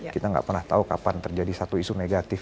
kita nggak pernah tahu kapan terjadi satu isu negatif